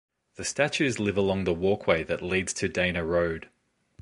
The statues live along the walkway that leads to Dana Road.